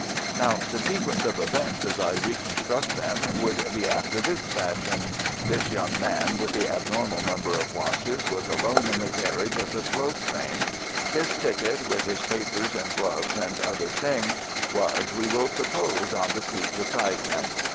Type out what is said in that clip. "Now, the sequence of events as I reconstruct them would be after this fashion. This young man with the abnormal number of watches was alone in the carriage of the slow train. His ticket, with his papers and gloves and other things, was, we will suppose, on the seat beside him.